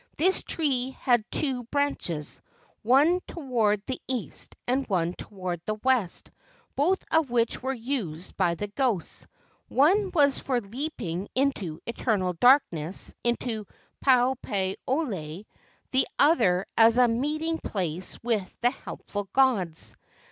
This tree had two branches, one toward the east and one toward the west, both of which were used by the ghosts. One was for leaping into eternal darkness into Po pau ole, the other as a meeting place with the helpful gods.